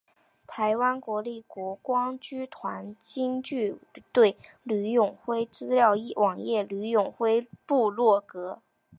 台湾国立国光剧团京剧队吕永辉资料网页吕永辉部落格